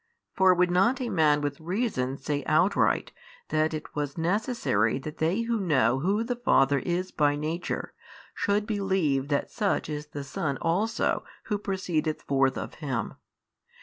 for would not a man with reason say outright that it was necessary that they who know Who the Father is by Nature should believe that such is the Son also who proceedeth forth of Him?